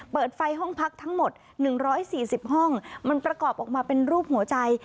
เปิดไฟห้องพักทั้งหมด๑๔๐ห้องมันประกอบออกมาเป็นรูปหัวใจ